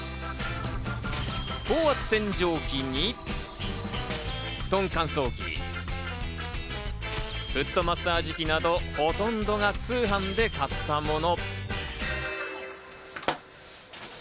高圧洗浄機に、布団乾燥機、フットマッサージ機などほとんどが通販で買ったもの。